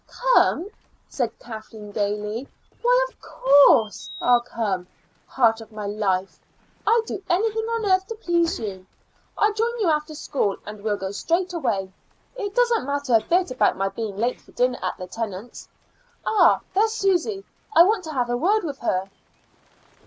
"Come?" said Kathleen gaily. "Why, of course I'll come, heart of my life. I'd do anything on earth to please you. I'll join you after school, and well go straight away. It doesn't matter a bit about my being late for dinner at the Tennants'. Ah! there's Susy. I want to have a word with her."